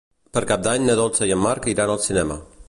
Per Cap d'Any na Dolça i en Marc iran al cinema.